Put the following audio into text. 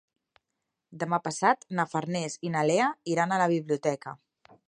Demà passat na Farners i na Lea iran a la biblioteca.